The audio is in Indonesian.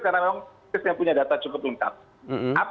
karena memang kita punya data cukup lengkap